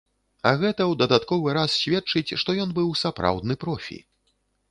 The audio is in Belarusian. А гэта ў дадатковы раз сведчыць, што ён быў сапраўдны профі.